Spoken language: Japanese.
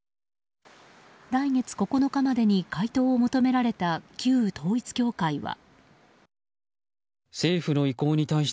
来月９日までに回答を求められた旧統一教会は。